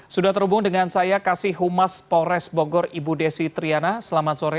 sudah terhubung dengan saya kasih humas polres bogor ibu desi triana selamat sore